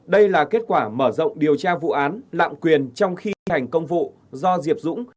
đây là kết quả mở rộng điều tra vụ án lạm quyền trong khi thành công vụ do diệp dũng